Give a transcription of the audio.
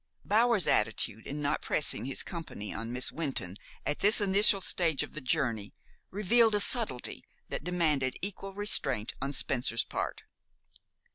Bower's attitude in not pressing his company on Miss Wynton at this initial stage of the journey revealed a subtlety that demanded equal restraint on Spencer's part.